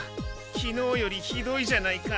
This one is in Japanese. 昨日よりひどいじゃないか。